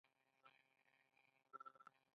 دوی د کابل او ګندهارا ساتونکي وو